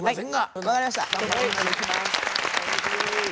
お願いします。